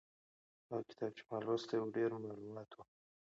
هغه کتاب چې ما لوستلی و ډېر مالوماتي و.